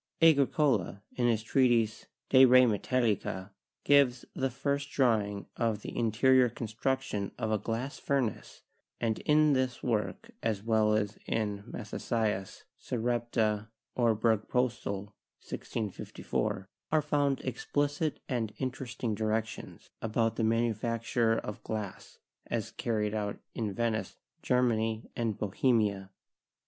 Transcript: Agricola, in his treatise, 'De re Metallica/ gives the first drawing of the interior construction of a glass furnace, and in this work as well as in Mathesius' 'Sarepta or Bergpostill' (1654), are found explicit and interesting directions about the manufacture of glass as carried out in Venice, Germany and Bohemia.